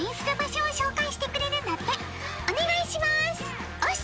お願いしますおす！